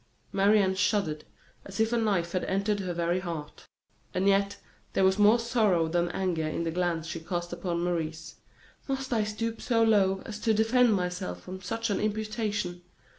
Marie Anne shuddered as if a knife had entered her very heart; and yet there was more sorrow than anger in the glance she cast upon Maurice. "Must I stoop so low as to defend myself from such an imputation?"